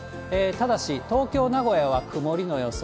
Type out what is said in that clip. ただし、東京、名古屋は曇りの予想。